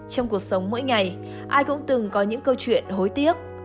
trong cuộc sống mỗi ngày ai cũng từng có những câu chuyện hối tiếc